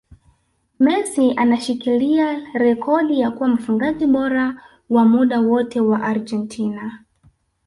Messi anashikilia rekodi ya kuwa mfungaji bora wa muda wote wa Argentina